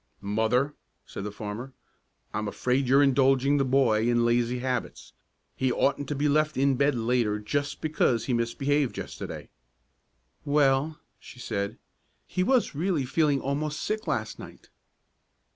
"Mother," said the farmer, "I'm afraid you're indulging the boy in lazy habits. He oughtn't to be left in bed later just because he misbehaved yesterday." "Well," she said, "he was really feeling almost sick last night."